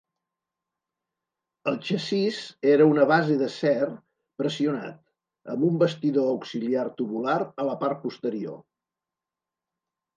El xassís era una base d'acer pressionat amb un bastidor auxiliar tubular a la part posterior.